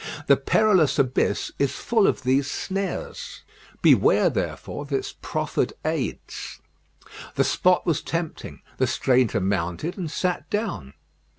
The perilous abyss is full of these snares; beware, therefore, of its proffered aids. The spot was tempting: the stranger mounted and sat down.